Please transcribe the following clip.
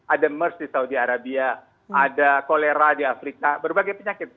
ada mers di saudi arabia ada kolera di afrika berbagai penyakit